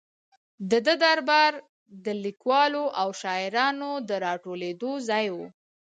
د ده دربار د لیکوالو او شاعرانو د را ټولېدو ځای و.